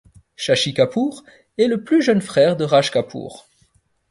Shashi Kapoor est le plus jeune frère de Raj Kapoor.